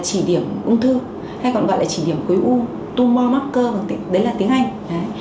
chỉ điểm ung thư hay còn gọi là chỉ điểm khối u tumor marker đấy là tiếng anh